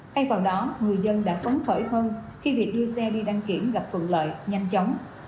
thay vào đó người dân đã phấn khởi hơn khi việc đưa xe đi đăng kiểm gặp thuận lợi nhanh chóng